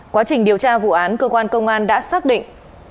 quá trình điều tra vụ án cơ quan công an đã xác định